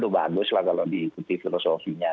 bagus lah kalau diikuti filosofinya